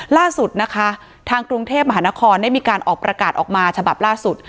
ล่าสุดนะคะทางกรุงเทพมหานครได้มีการออกประกาศออกมาฉบับล่าสุด